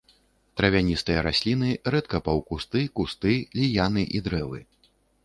Травяністыя расліны, рэдка паўкусты, кусты, ліяны і дрэвы.